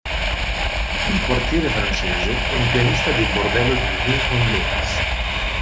In "Quartiere francese" è un pianista di un bordello di New Orleans.